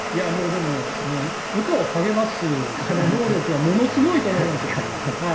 でも、部下を励ます能力はものすごいと思いますよ。